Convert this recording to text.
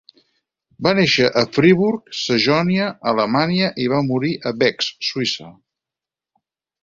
Va néixer a Friburg, Sajonia, Alemanya i va morir a Bex, Suïssa.